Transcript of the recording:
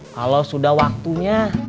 kalau sudah waktunya